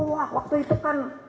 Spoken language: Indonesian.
wah waktu itu kan